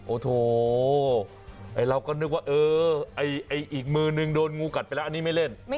โอ้โหเราก็นึกว่าเออไอ้อีกมือนึงโดนงูกัดไปแล้วอันนี้ไม่เล่น